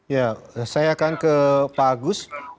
ya saya akan ke pak agus